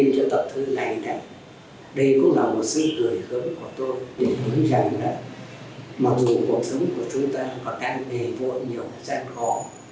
cũng là một sự gửi hướng của tôi để hướng rằng là mặc dù cuộc sống của chúng ta có các nghề vô nhiều gian khó